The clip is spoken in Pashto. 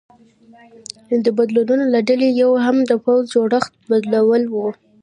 د بدلونونو له ډلې یو هم د پوځ جوړښت بدلول و